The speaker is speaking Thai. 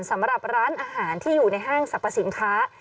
สำหรับร้านอาหารที่อยู่ในห้างสรรพสินค้า